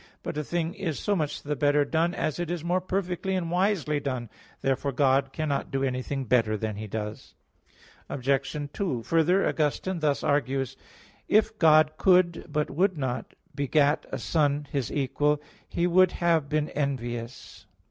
But a thing is so much the better done as it is more powerfully and wisely done. Therefore God cannot do anything better than He does. Obj. 2: Further, Augustine thus argues (Contra Maximin. iii, 8): "If God could, but would not, beget a Son His equal, He would have been envious."